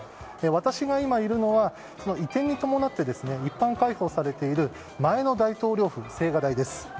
私が今いるのは移転に伴って一般開放されている前の大統領府の青瓦台です。